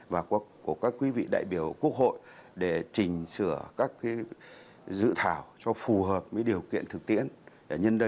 và của các quý vị đại biểu quốc hội để chỉnh sửa các dự thách